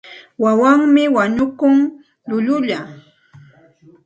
Wawanmi wañukun llullulla.